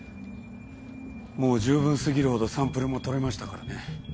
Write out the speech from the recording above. もう十分過ぎるほどサンプルも取れましたからね。